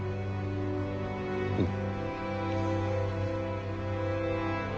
うん。